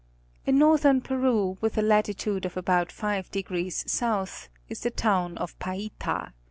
In northern Peru, with a latitude of about five degrees south, is the town of Paita.